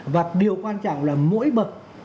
và điều quan trọng là mỗi bậc